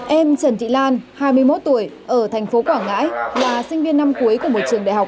em trần thị lan hai mươi một tuổi ở thành phố quảng ngãi là sinh viên năm cuối của một trường đại học